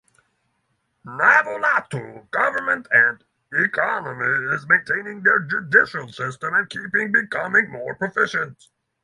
Navolato government and economy is maintaining their judicial system and keeping becoming more proficient.